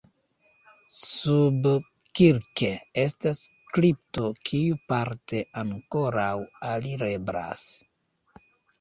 Subkirke estas kripto kiu parte ankoraŭ alireblas.